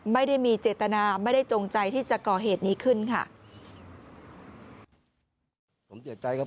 ไม่ได้มีเจตนาไม่ได้จงใจที่จะก่อเหตุนี้ขึ้นค่ะ